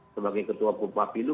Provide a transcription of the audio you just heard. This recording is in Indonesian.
sebagai ketua kumpul papilu